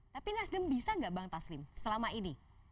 tapi nasdem bisa nggak bang taslim selama ini